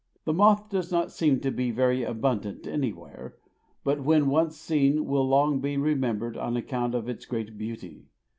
This moth does not seem to be very abundant anywhere, but when once seen will long be remembered on account of its great beauty.